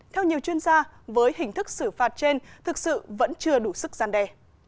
theo nhiều chuyên gia với hình thức xử phạt trên thực sự vẫn chưa đủ sức gian đe